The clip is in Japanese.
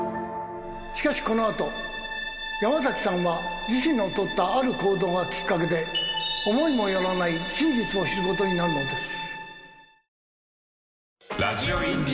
しかしこの後山崎さんは自身の取ったある行動がきっかけで思いも寄らない真実を知ることになるのです。